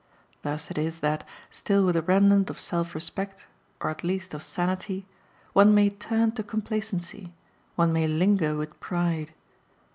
Thus it is that, still with a remnant of self respect, or at least of sanity, one may turn to complacency, one may linger with pride.